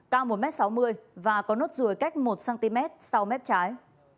cao một m sáu mươi và có nốt ruồi cách một cm sau mép trái